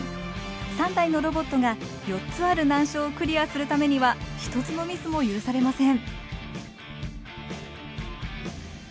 ３台のロボットが４つある難所をクリアするためには一つのミスも許されません。